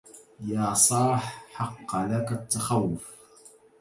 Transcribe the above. يا صاح حق لك التخوف